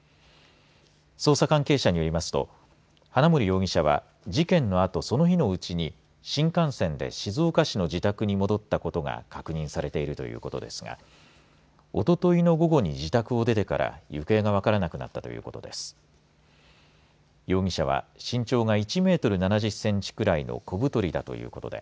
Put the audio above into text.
捜査関係者によりますと花森容疑者は、事件のあとその日のうちに新幹線で静岡市の自宅に戻ったことが確認されているということですがおとといの午後に自宅を出てから行方が分からなくなったということです。